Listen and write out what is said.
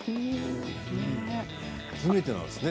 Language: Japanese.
初めてなんですね